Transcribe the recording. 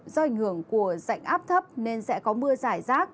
do ảnh hưởng của rạnh áp thấp nên sẽ có mưa rải rác